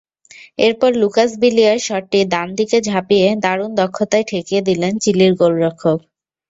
এরপর লুকাস বিলিয়ার শটটি ডান দিকে ঝাঁপিয়ে দারুণ দক্ষতায় ঠেকিয়ে দিলেন চিলির গোলরক্ষক।